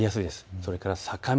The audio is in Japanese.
それから坂道